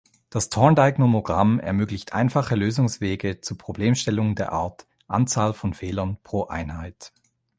Das Thorndike-Nomogramm ermöglicht einfache Lösungswege zu Problemstellungen der Art „Anzahl von Fehlern pro Einheit“.